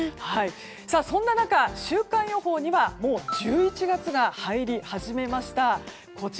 そんな中、週間予報にはもう１１月が入り始めました。